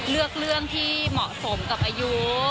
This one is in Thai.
เลือกเรื่องที่เหมาะสมกับอายุ